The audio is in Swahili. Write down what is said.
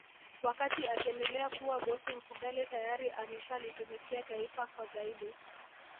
Wakati akiendelea kuwa bosi Mfugale tayari ameshalitumikia taifa kwa zaidi